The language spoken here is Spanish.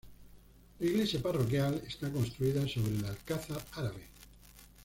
La iglesia parroquial está construida sobre el alcázar árabe.